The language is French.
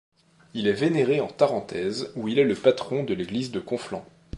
Il est vénéré en Tarentaise où il est le patron de l'église de Conflans.